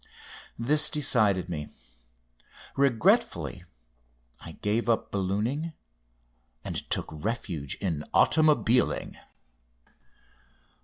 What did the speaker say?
This decided me. Regretfully I gave up ballooning and took refuge in automobiling.